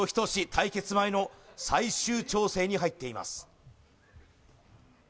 対決前の最終調整に入っています